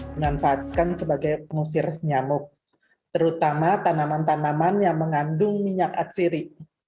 dimanfaatkan sebagai pengusir nyamuk terutama tanaman tanaman yang mengandung minyak atsiri